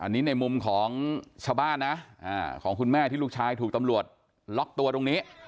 อันนี้ในมุมของชาวบ้านนะของคุณแม่ที่ลูกชายถูกตำรวจล็อกตัวตรงนี้